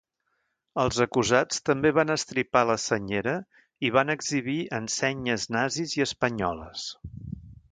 Els acusats també van estripar la senyera i van exhibir ensenyes nazis i espanyoles.